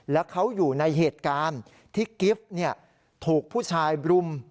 แล้วเขาอยู่ในเหตุการณ์ที่กิฟต์ถูกผู้ชายบรุม